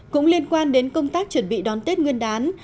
cũng liên quan đến công tác chuẩn bị đón tết nguyên đán